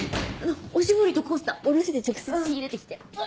おしぼりとコースター卸で直接仕入れてきたよ。